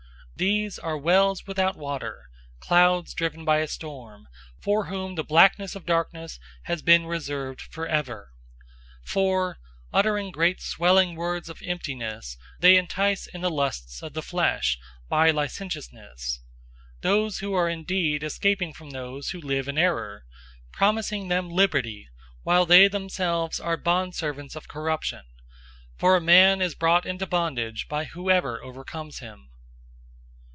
002:017 These are wells without water, clouds driven by a storm; for whom the blackness of darkness has been reserved forever. 002:018 For, uttering great swelling words of emptiness, they entice in the lusts of the flesh, by licentiousness, those who are indeed escaping from those who live in error; 002:019 promising them liberty, while they themselves are bondservants of corruption; for a man is brought into bondage by whoever overcomes him.